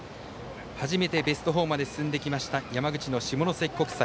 初めてベスト４まで進んできました山口の下関国際。